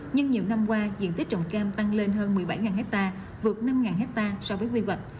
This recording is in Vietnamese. nhưng nhiều năm qua diện tích trồng cam tăng lên hơn một mươi bảy hectare vượt năm hectare so với quy hoạch